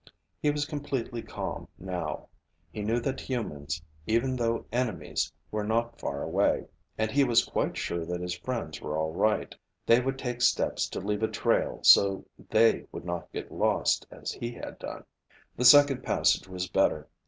He was completely calm now. He knew that humans, even though enemies, were not far away. And he was quite sure that his friends were all right. They would take steps to leave a trail so they would not get lost as he had done. The second passage was better.